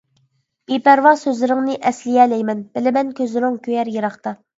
بىپەرۋا سۆزلىرىڭنى ئەسلىيەلەيمەن، بىلىمەن كۆزلىرىڭ كۆيەر يىراقتا.